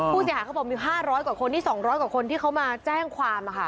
ผู้เสียหายเขาบอกมีห้าร้อยกว่าคนนี่สองร้อยกว่าคนที่เขามาแจ้งความอ่ะค่ะ